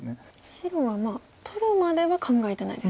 白は取るまでは考えてないですか。